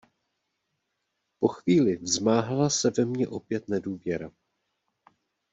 Po chvíli vzmáhala se ve mně opět nedůvěra.